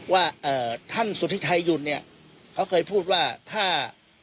ว่าท่านสุธิไทยหยุ่นเนี่ยเขาเคยพูดว่าถ้า